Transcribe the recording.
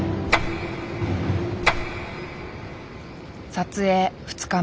撮影２日目。